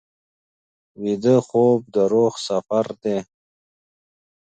ویده خوب د روح سفر دی